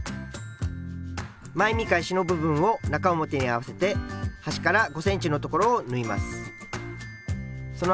前見返しの部分を中表に合わせて端から５ｃｍの所を縫います。